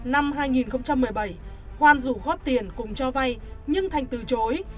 năm hai nghìn một mươi bảy oan dùng góp tiền cùng cho vai nhưng thành từ chối